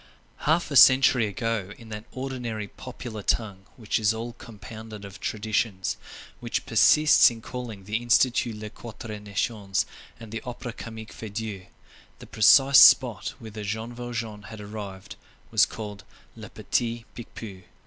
Half a century ago, in that ordinary, popular tongue, which is all compounded of traditions, which persists in calling the Institut les Quatre Nations, and the Opera Comique Feydeau, the precise spot whither Jean Valjean had arrived was called le Petit Picpus.